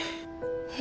え。